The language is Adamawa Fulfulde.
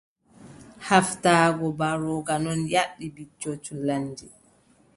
Haaftaago mbarooga non yaaɓti wicco culanndi.